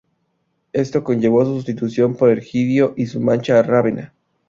Esto conllevó su sustitución por Egidio y su marcha a Rávena.